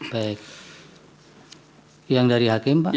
baik yang dari hakim pak